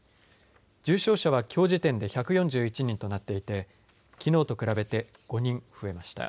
重症者はきょう時点で１４１人となっていてきのうと比べて５人増えました。